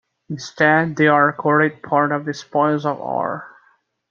Instead, they are accorded part of the spoils of war.